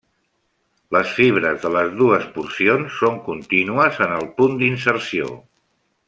Les fibres de les dues porcions són contínues en el punt d'inserció.